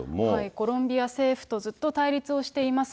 コロンビア政府とずっと対立をしています